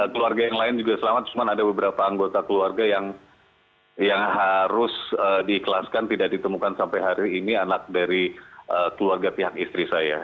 keluarga yang lain juga selamat cuma ada beberapa anggota keluarga yang harus diikhlaskan tidak ditemukan sampai hari ini anak dari keluarga pihak istri saya